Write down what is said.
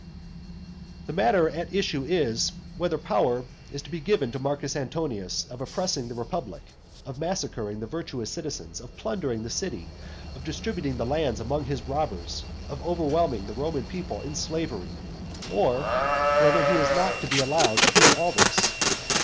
III. The matter at issue is, whether power is to be given to Marcus Antonius of oppressing the republic, of massacring the virtuous citizens, of plundering the city, of distributing the lands among his robbers, of overwhelming the Roman people in slavery; or, whether he is not to be allowed to do all this.